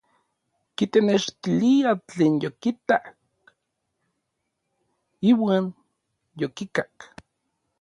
Kitenextilia tlen yokitak iuan yokikak.